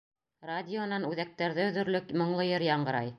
Радионан үҙәктәрҙе өҙөрлөк моңло йыр яңғырай.